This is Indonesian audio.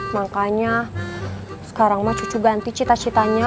makanya sekarang mah cucu ganti cita citanya